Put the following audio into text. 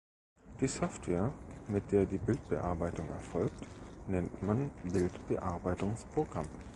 Die Software, mit der die Bildbearbeitung erfolgt, nennt man "Bildbearbeitungsprogramm".